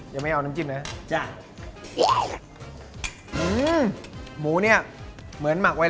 ยังไม่เอาน้ำจิ้มนะครับ